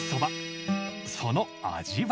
その味は？